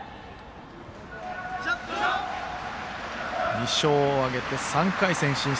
２勝を挙げて３回戦進出。